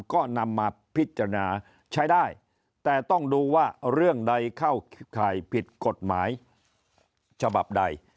ก็นำมาพิจารณาใช้ได้แต่ต้องดูว่าเรื่องใดเข้าข่ายผิดกฎหมายฉบับใด